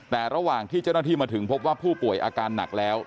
แต่ระหว่างที่เจ้าหน้าที่มาถึงพบว่าผู้ป่วยอาการหนักแล้ว